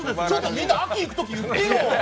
みんな秋いくとき言ってよ！